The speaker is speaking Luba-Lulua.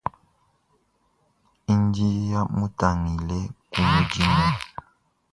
Ndinya, mutangila ku mudimu.